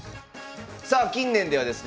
さあ近年ではですね